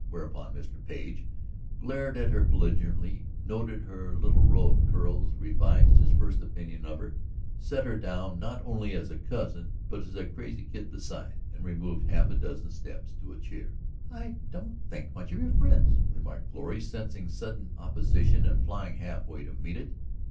Whereupon Mr. Page glared at her belligerently, noted her little row of curls, revised his first opinion of her, set her down not only as a cousin, but as a crazy kid besides, and removed half a dozen steps to a chair. "I don't think much of your friends," remarked Florrie, sensing sudden opposition and flying half way to meet it.